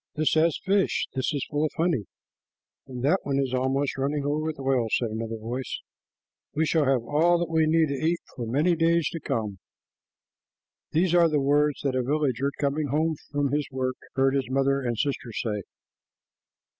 "This has fish, this is full of honey, and that one is almost running over with oil," said another voice. "We shall have all that we need to eat for many days to come." These are the words that a villager coming home from his work heard his mother and his sister say.